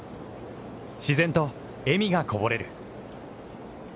自然と笑みがこぼれる。